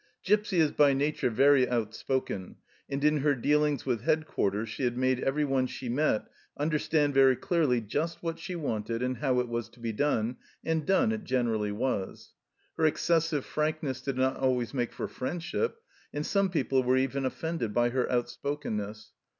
Gipsy is by nature very out spoken, and in her dealings with headquarters she had made everyone she met understand very clearly just what she wanted and how it was to be done, and done it generally was. Her excessive frankness did not always make for friendship, and some people were even offended by her outspokenness.